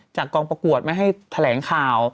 กองประกวดไม่ให้แถลงข่าว